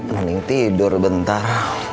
mending tidur bentar